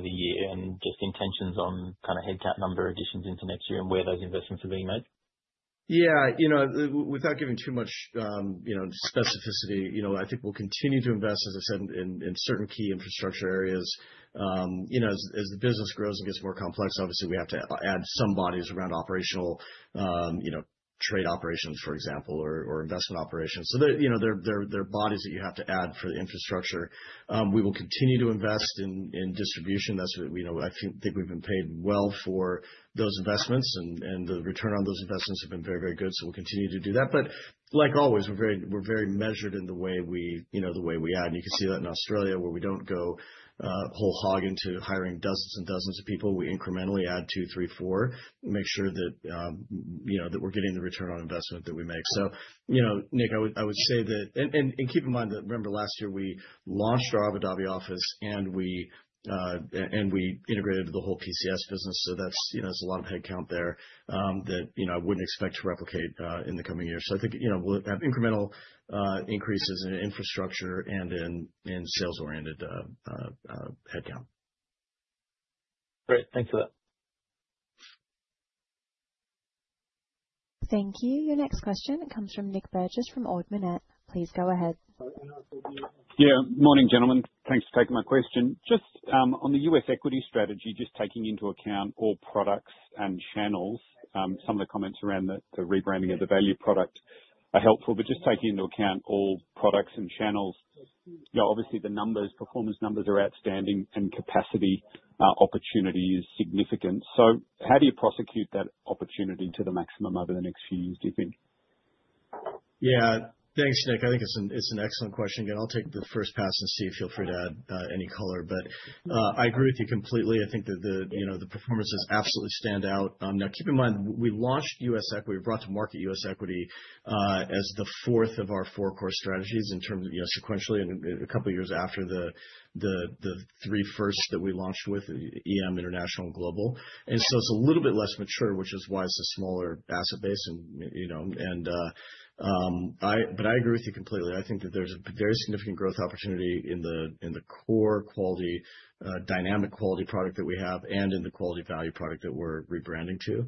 the year and just intentions on kind of headcount number additions into next year and where those investments are being made. Yeah, you know, without giving too much, you know, specificity, you know, I think we'll continue to invest, as I said, in certain key infrastructure areas. You know, as the business grows and gets more complex, obviously we have to add some bodies around operational, you know, trade operations, for example, or investment operations. So there, you know, there are bodies that you have to add for the infrastructure. We will continue to invest in distribution. That's what, you know, I think we've been paid well for those investments and the return on those investments have been very, very good. So we'll continue to do that. But like always, we're very measured in the way we, you know, the way we add. And you can see that in Australia where we don't go whole hog into hiring dozens and dozens of people. We incrementally add two, three, four, make sure that, you know, that we're getting the return on investment that we make. So, you know, Nick, I would say that, and keep in mind that remember last year we launched our Abu Dhabi office and we integrated the whole PCS business. So that's, you know, there's a lot of headcount there that, you know, I wouldn't expect to replicate in the coming years. So I think, you know, we'll have incremental increases in infrastructure and in sales-oriented headcount. Great, thanks for that. Thank you. Your next question, it comes from Nick Burgess from Ord Minnett. Please go ahead. Yeah, morning, gentlemen. Thanks for taking my question. Just on the U.S. Equity Strategy, just taking into account all products and channels, some of the comments around the rebranding of the value product are helpful, but just taking into account all products and channels, you know, obviously the numbers, performance numbers are outstanding and capacity opportunity is significant. So how do you prosecute that opportunity to the maximum over the next few years, do you think? Yeah, thanks, Nick. I think it's an excellent question. Again, I'll take the first pass and see, feel free to add any color, but I agree with you completely. I think that the, you know, the performances absolutely stand out. Now, keep in mind we launched U.S. equity, we brought to market U.S. equity as the fourth of our four core strategies in terms of, you know, sequentially and a couple of years after the three firsts that we launched with EM International and Global. And so it's a little bit less mature, which is why it's a smaller asset base and, you know, and I, but I agree with you completely. I think that there's a very significant growth opportunity in the, in the core quality, dynamic quality product that we have and in the quality value product that we're rebranding to.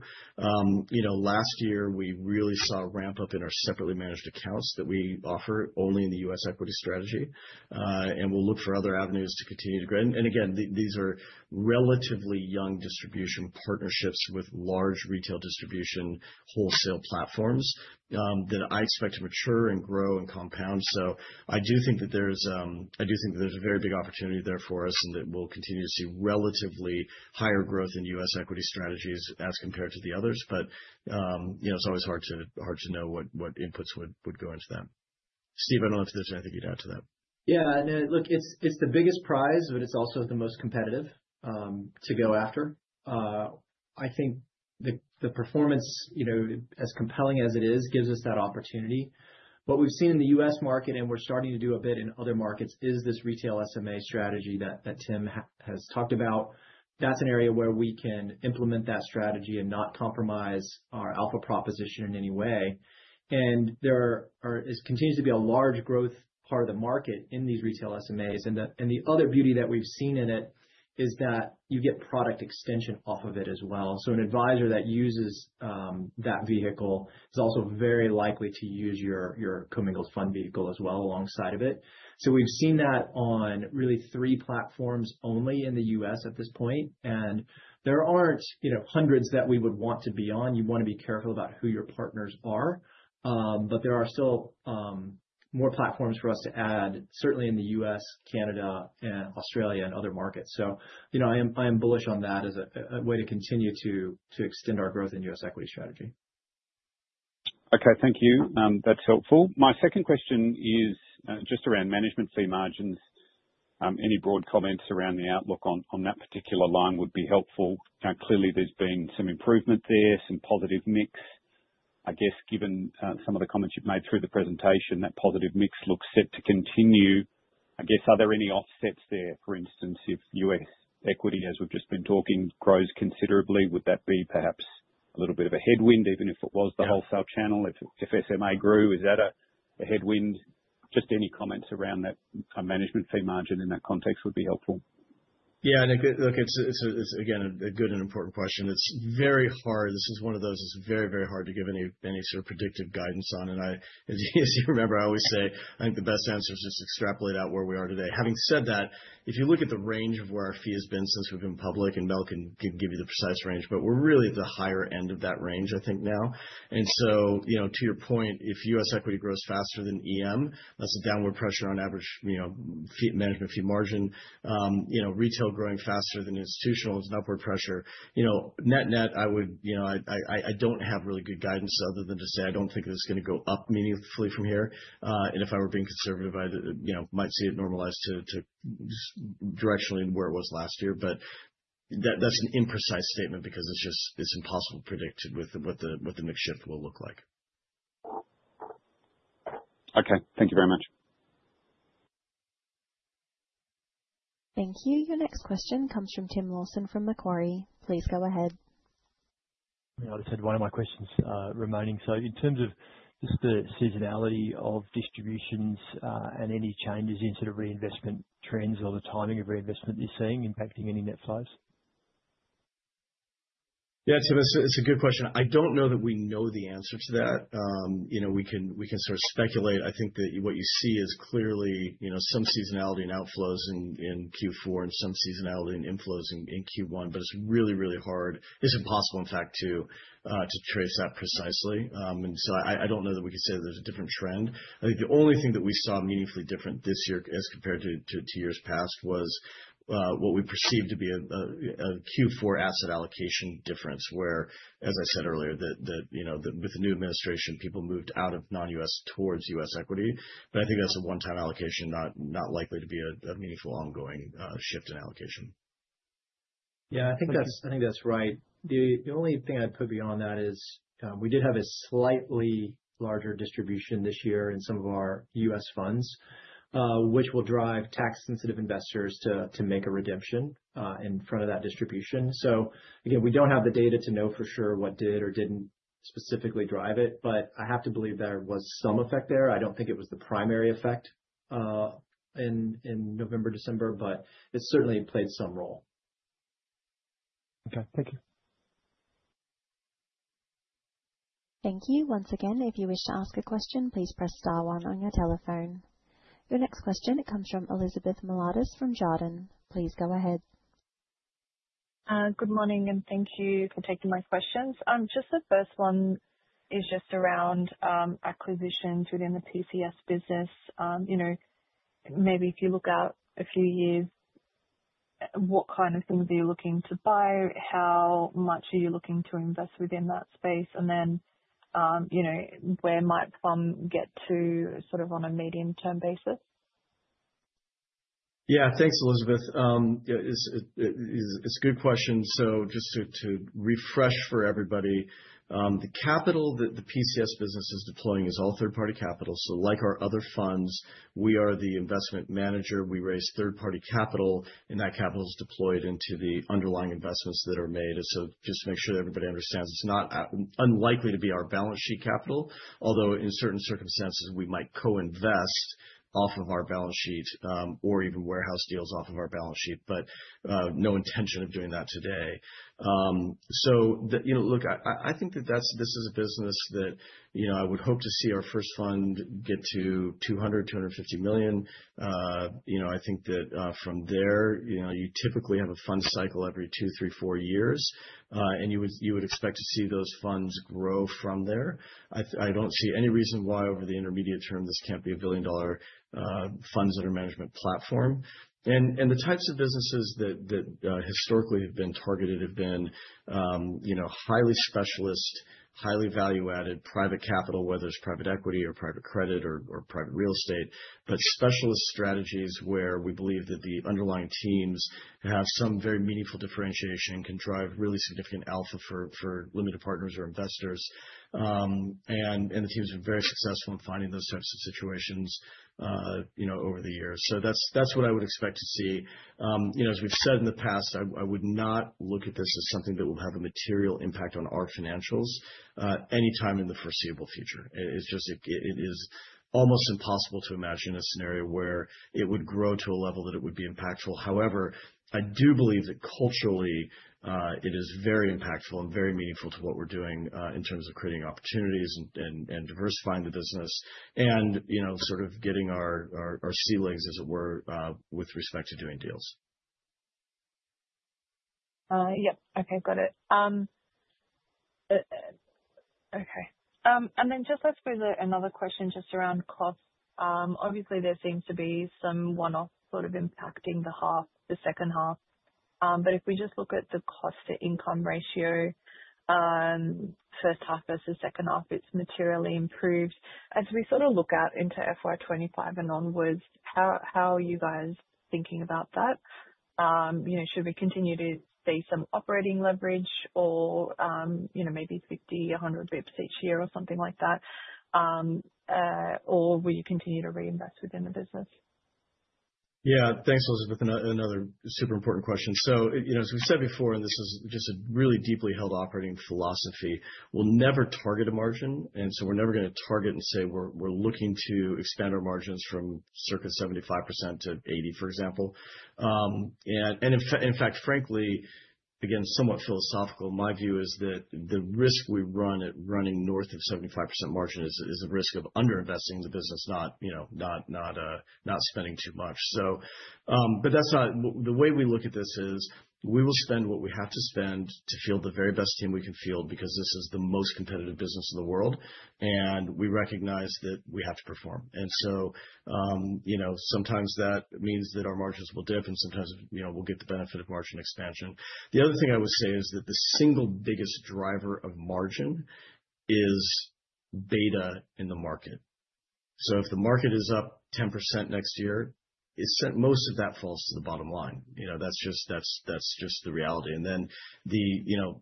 You know, last year we really saw a ramp up in our separately managed accounts that we offer only in the U.S. Equity Strategy. And we'll look for other avenues to continue to grow. And again, these are relatively young distribution partnerships with large retail distribution wholesale platforms that I expect to mature and grow and compound. So I do think that there's a very big opportunity there for us and that we'll continue to see relatively higher growth in U.S. equity strategies as compared to the others. But, you know, it's always hard to know what inputs would go into that. Steve, I don't know if there's anything you'd add to that. Yeah, and look, it's the biggest prize, but it's also the most competitive to go after. I think the performance, you know, as compelling as it is, gives us that opportunity. What we've seen in the U.S. market and we're starting to do a bit in other markets is this retail SMA strategy that Tim has talked about. That's an area where we can implement that strategy and not compromise our alpha proposition in any way. There continues to be a large growth part of the market in these retail SMAs. The other beauty that we've seen in it is that you get product extension off of it as well. An advisor that uses that vehicle is also very likely to use your commingled fund vehicle as well alongside of it. We've seen that on really only three platforms in the U.S. at this point. There aren't, you know, hundreds that we would want to be on. You want to be careful about who your partners are. There are still more platforms for us to add, certainly in the U.S., Canada, and Australia and other markets. You know, I am bullish on that as a way to continue to extend our growth in U.S. Equity Strategy. Okay, thank you. That's helpful. My second question is just around management fee margins. Any broad comments around the outlook on that particular line would be helpful. Clearly there's been some improvement there, some positive mix. I guess given some of the comments you've made through the presentation, that positive mix looks set to continue. I guess, are there any offsets there? For instance, if U.S. equity, as we've just been talking, grows considerably, would that be perhaps a little bit of a headwind, even if it was the wholesale channel? If SMA grew, is that a headwind? Just any comments around that management fee margin in that context would be helpful. Yeah, Nick, look, it's again a good and important question. It's very hard. This is one of those that's very hard to give any sort of predictive guidance on. I, as you remember, I always say, I think the best answer is just extrapolate out where we are today. Having said that, if you look at the range of where our fee has been since we've been public, and Mel can give you the precise range, but we're really at the higher end of that range, I think now. And so, you know, to your point, if U.S. equity grows faster than EM, that's a downward pressure on average, you know, fee management fee margin. You know, retail growing faster than institutional is an upward pressure. You know, net net, I would, you know, I don't have really good guidance other than to say I don't think it's going to go up meaningfully from here. If I were being conservative, I, you know, might see it normalize to just directionally where it was last year. But that, that's an imprecise statement because it's just, it's impossible to predict with what the mix shift will look like. Okay, thank you very much. Thank you. Your next question comes from Tim Lawson from Macquarie. Please go ahead. I just had one of my questions remaining. In terms of just the seasonality of distributions and any changes in sort of reinvestment trends or the timing of reinvestment you're seeing impacting any net flows? Yeah, Tim, it's a good question. I don't know that we know the answer to that. You know, we can sort of speculate. I think that what you see is clearly, you know, some seasonality and outflows in Q4 and some seasonality and inflows in Q1, but it's really, really hard. It's impossible, in fact, to trace that precisely. And so I don't know that we can say there's a different trend. I think the only thing that we saw meaningfully different this year as compared to years past was what we perceived to be a Q4 asset allocation difference where, as I said earlier, you know, with the new administration, people moved out of non-U.S. towards U.S. equity. But I think that's a one-time allocation, not likely to be a meaningful ongoing shift in allocation. Yeah, I think that's right. The only thing I'd put beyond that is we did have a slightly larger distribution this year in some of our U.S. funds, which will drive tax-sensitive investors to make a redemption in front of that distribution. So again, we don't have the data to know for sure what did or didn't specifically drive it, but I have to believe there was some effect there. I don't think it was the primary effect in November, December, but it certainly played some role. Okay, thank you. Thank you. Once again, if you wish to ask a question, please press star one on your telephone. Your next question, it comes from Elizabeth Miliatis from Jarden. Please go ahead. Good morning and thank you for taking my questions. Just the first one is just around acquisitions within the PCS business. You know, maybe if you look out a few years, what kind of things are you looking to buy, how much are you looking to invest within that space, and then, you know, where might some get to sort of on a medium-term basis? Yeah, thanks, Elizabeth. It's a good question. So just to refresh for everybody, the capital that the PCS business is deploying is all third-party capital. So like our other funds, we are the investment manager. We raise third-party capital and that capital is deployed into the underlying investments that are made. And so just to make sure that everybody understands, it's not unlikely to be our balance sheet capital, although in certain circumstances we might co-invest off of our balance sheet or even warehouse deals off of our balance sheet, but no intention of doing that today. So that, you know, look, I think that that's this is a business that, you know, I would hope to see our first fund get to $200 million-250 million. You know, I think that from there, you know, you typically have a fund cycle every two, three, four years, and you would expect to see those funds grow from there. I don't see any reason why over the intermediate term this can't be a billion-dollar funds under management platform. And the types of businesses that historically have been targeted have been, you know, highly specialist, highly value-added private capital, whether it's private equity or private credit or private real estate, but specialist strategies where we believe that the underlying teams have some very meaningful differentiation can drive really significant alpha for limited partners or investors. The teams have been very successful in finding those types of situations, you know, over the years. So that's what I would expect to see. You know, as we've said in the past, I would not look at this as something that will have a material impact on our financials anytime in the foreseeable future. It's just almost impossible to imagine a scenario where it would grow to a level that it would be impactful. However, I do believe that culturally it is very impactful and very meaningful to what we're doing in terms of creating opportunities and diversifying the business and, you know, sort of getting our ceilings, as it were, with respect to doing deals. Yep. Okay, got it. Okay. Then just ask me another question just around costs. Obviously, there seems to be some one-off sort of impacting the half, the second half. But if we just look at the cost to income ratio, first half versus second half, it's materially improved. As we sort of look out into FY25 and onwards, how are you guys thinking about that? You know, should we continue to see some operating leverage or, you know, maybe 50, 100 basis points each year or something like that? Or will you continue to reinvest within the business? Yeah, thanks, Elizabeth. And another super important question. So, you know, as we said before, and this is just a really deeply held operating philosophy, we'll never target a margin. And so we're never going to target and say we're looking to expand our margins from circa 75%-80%, for example. In fact, frankly, again, somewhat philosophical, my view is that the risk we run at running north of 75% margin is the risk of underinvesting in the business, not, you know, spending too much. So, but that's not the way we look at this is we will spend what we have to spend to field the very best team we can field because this is the most competitive business in the world. And we recognize that we have to perform. And so, you know, sometimes that means that our margins will dip and sometimes, you know, we'll get the benefit of margin expansion. The other thing I would say is that the single biggest driver of margin is beta in the market. So if the market is up 10% next year, most of that falls to the bottom line. You know, that's just the reality. And then the, you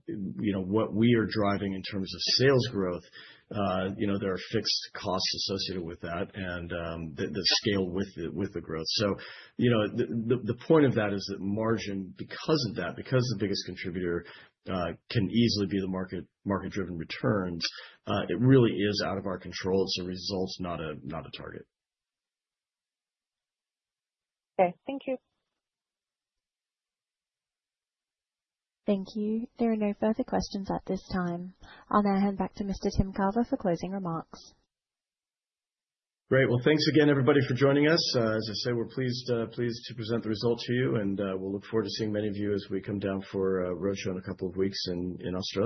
know, what we are driving in terms of sales growth, you know, there are fixed costs associated with that and the scale with the growth. So, you know, the point of that is that margin, because of that, because the biggest contributor can easily be the market, market-driven returns, it really is out of our control. It's a result, not a target. Okay, thank you. Thank you. There are no further questions at this time. I'll now hand back to Mr. Tim Carver for closing remarks. Great. Well, thanks again, everybody, for joining us. As I say, we're pleased to present the result to you. And we'll look forward to seeing many of you as we come down for a roadshow in a couple of weeks in Australia.